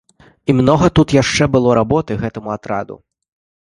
І многа тут яшчэ было работы гэтаму атраду.